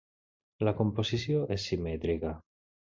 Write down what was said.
La composició és simètrica.